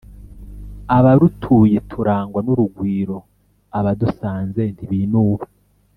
abarutuye turangwa n'urugwiro, abadusanze ntibinuba.